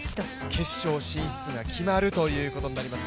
決勝進出が決まるということになります